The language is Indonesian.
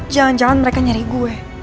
jangan jangan mereka nyari gue